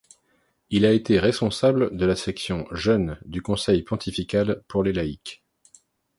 Il a été responsable de la section jeunes du Conseil pontifical pour les laïcs.